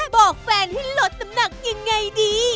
บอกแฟนให้ลดน้ำหนักยังไงดี